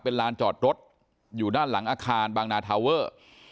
เป็นลานจอดรถอยู่ด้านหลังอาคารบางนาทาเวอร์